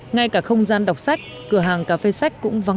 ngay cả không gian đọc sách cửa hàng cà phê sách cũng vắng